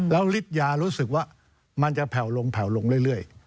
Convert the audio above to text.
แล้วฤทธิยารู้สึกว่ามันจะแผ่วลงแผ่วลงเรื่อย